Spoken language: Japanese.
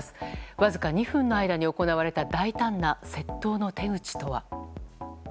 わずか２分の間に行われた大胆な窃盗の手口とは。